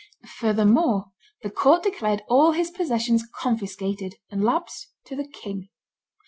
Furthermore the court declared all his possessions confiscated and lapsed to the king.